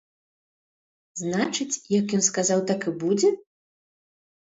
Значыць, як ён сказаў, так і будзе?